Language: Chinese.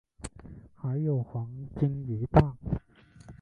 还有黄金鱼蛋